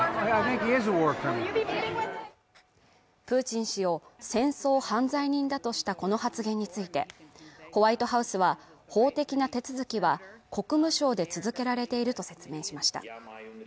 プーチン氏を戦争犯罪人だとしたこの発言についてホワイトハウスは法的な手続きは国務省で続けられていると説明しました